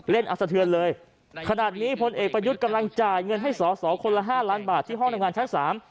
อัศเทือนเลยขนาดนี้พลเอกประยุทธ์กำลังจ่ายเงินให้สอสอคนละห้าล้านบาทที่ห้องทำงานชั้นสาม